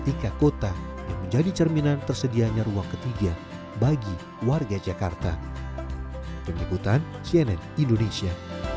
pertanyaan terakhir apakah terjadi keadaan yang berbeda di jakarta